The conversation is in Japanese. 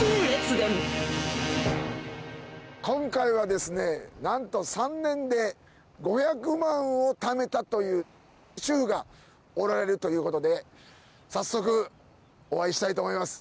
今回はですね、なんと３年で５００万をためたという主婦がおられるということで、早速、お会いしたいと思います。